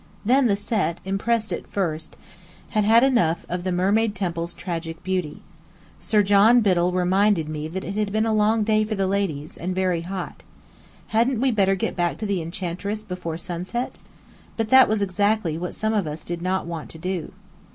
Then the Set, impressed at first, had had enough of the mermaid temple's tragic beauty. Sir John Biddell reminded me that it had been a long day for the ladies, and very hot. Hadn't we better get back to the Enchantress before sunset? But that was exactly what some of us did not want to do.